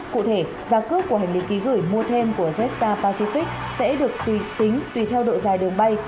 cụ thể giá cước của hành lý ký gửi mua thêm của jetstar pacific sẽ được tùy tính tùy theo độ dài đường bay